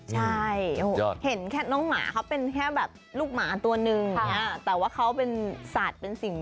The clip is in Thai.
ใช่ยนต์ยอด